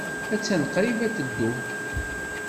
Attan qrib ad teddu.